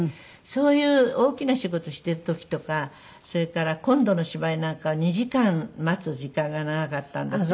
そういう大きな仕事している時とかそれから今度の芝居なんかは２時間待つ時間が長かったんですよ。